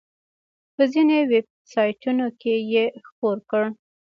په ځینو ویب سایټونو کې یې خپور کړ.